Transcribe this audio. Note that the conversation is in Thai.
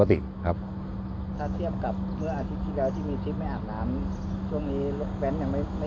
ถ้าเทียบกับเมื่ออาทิตย์ที่เดียวที่มีทริปไม่อาบน้ำ